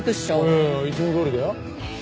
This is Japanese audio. いやいやいつもどおりだよ。